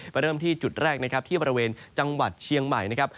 เริ่มที่จุดแรกนะครับที่บริเวณจังหวัดเชียงใหม่นะครับ